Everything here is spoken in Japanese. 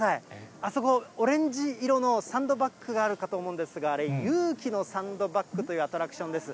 あそこ、オレンジ色のサンドバッグがあると思うんですが、あれ、勇気のサンドバッグというアトラクションです。